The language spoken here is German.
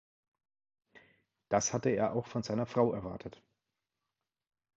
Das hatte er auch von seiner Frau erwartet.